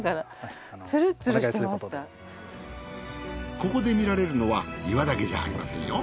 ここで見られるのは岩だけじゃありませんよ。